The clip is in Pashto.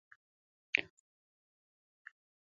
غول د هر بدن ځانګړی بوی لري.